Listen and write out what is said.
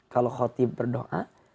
kalau khutib berdoa